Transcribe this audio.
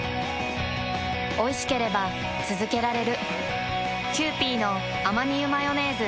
おいしければつづけられる。